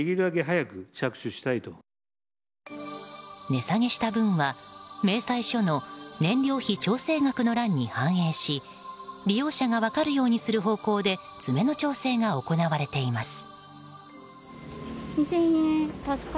値下げした分は明細書の燃料費調整額の欄に反映し利用者が分かるようにする方向で詰めの調整が行われています。